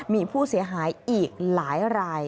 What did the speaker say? มีผู้เสียหายอีกหลายราย